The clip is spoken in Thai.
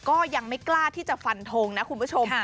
ก็ยังไม่กล้าที่จะฟันทงนะคุณผู้ชม